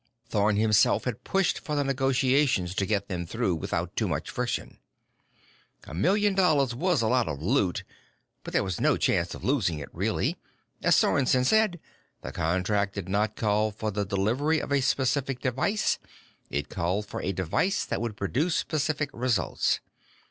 Thorn himself had pushed for the negotiations to get them through without too much friction. A million bucks was a lot of loot, but there was no chance of losing it, really. As Sorensen said, the contract did not call for the delivery of a specific device, it called for a device that would produce specific results.